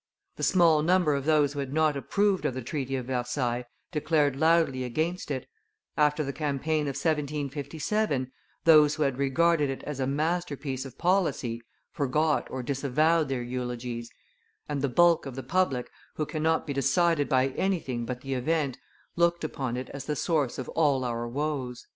The small number of those who had not approved of the treaty of Versailles declared loudly against it; after the campaign of 1757, those who had regarded it as a masterpiece of policy, forgot or disavowed their eulogies, and the bulk of the public, who cannot be decided by anything but the event, looked upon it as the source of all our woes."